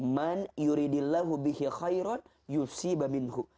man yuridillahu bihi khairan yusiba minhu